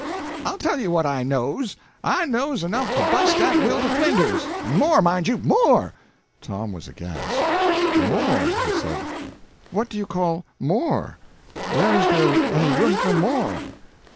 I'll tell you what I knows. I knows enough to bu'st dat will to flinders en more, mind you, more!" Tom was aghast. "More?" he said. "What do you call more? Where's there any room for more?"